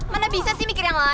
mana bisa sih mikir yang lain